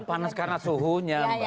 ya panas karena suhunya